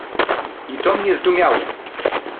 "I to mnie zdumiało."